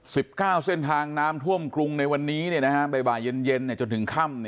สิบเก้าเส้นทางน้ำท่วมกรุงในวันนี้บ่ายเย็นเย็นจนถึงค่ำ